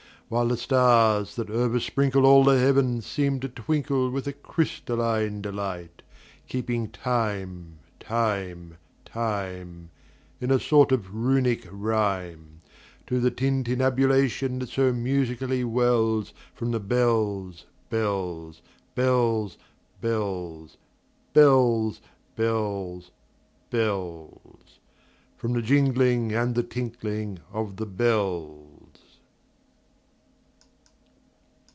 While the stars, that oversprinkleAll the heavens, seem to twinkleWith a crystalline delight; Keeping time, time, time, In a sort of Runic rhyme, To the tintinnabulation that so musically wellsFrom the bells, bells, bells, bells, Bells, bells, bells—From the jingling and the tinkling of the bells.